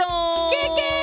ケケ！